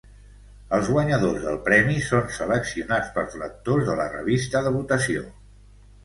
Els guanyadors del premi són seleccionats pels lectors de la revista de votació.